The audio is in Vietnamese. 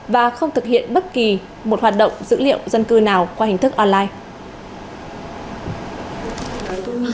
và không thực hiện bất kỳ một hoạt động dữ liệu dân cư nào qua hình thức online